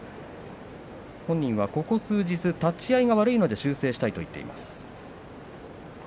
本人はここ数日、立ち合いが悪いので修正したいと言っています。